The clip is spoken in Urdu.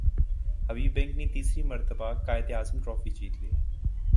حبیب بینک نے تیسری مرتبہ قائد اعظم ٹرافی جیت لی